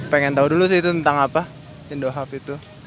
pengen tahu dulu sih itu tentang apa indohub itu